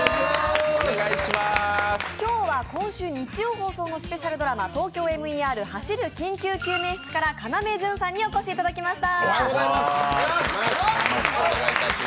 今日は今週日曜放送のスペシャルドラマ、「ＴＯＫＹＯＭＥＲ走る緊急救命室」から要潤さんにお越しいただきました。